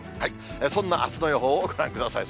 そんなあすの予報をご覧ください。